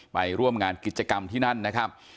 ไปร่วมงานกิจกรรมที่นั่นนะครับ